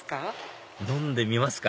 飲んでみますか？